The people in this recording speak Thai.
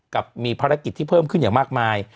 กับมีภารกิจที่เพิ่มขึ้นอย่างมากมาย